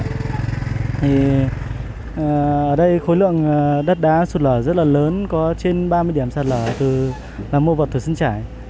thì ở đây khối lượng đất đá sụt lở rất là lớn có trên ba mươi điểm sạt lở từ là mô vật sinh trải